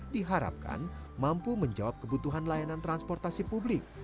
diharapkan mampu menjawab kebutuhan layanan transportasi publik